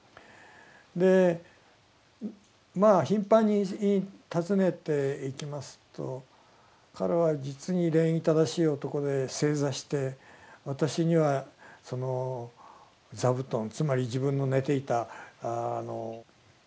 でまあ頻繁に訪ねていきますと彼は実に礼儀正しい男で正座して私にはその座布団つまり自分の寝ていた布団をですね